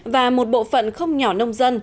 và một bộ phận không nhỏ nông dân